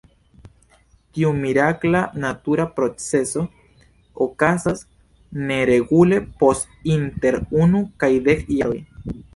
Tiu mirakla natura procezo okazas neregule, post inter unu kaj dek jaroj.